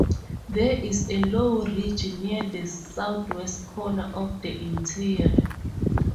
There is a low ridge near the southwest corner of the interior.